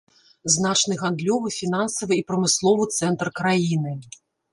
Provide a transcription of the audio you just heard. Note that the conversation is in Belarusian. Значны гандлёвы, фінансавы і прамысловы цэнтр краіны.